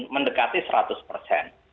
mendekati seratus persen